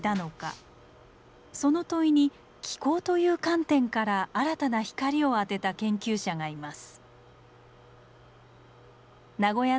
その問いに気候という観点から新たな光を当てた研究者がいます。